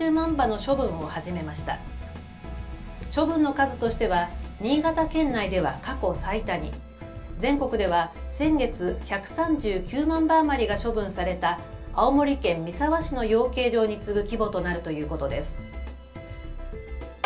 処分の数としては新潟県内では過去最多に、全国では先月、１３９万羽余りが処分された青森県三沢市の養鶏場に次ぐ規模となるということです。